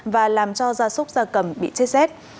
và làm cho gia súc gia cầm bị chết rét